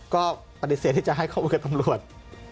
ก็ปฏิเสธที่จะให้ข้อมูลกับตำรวจ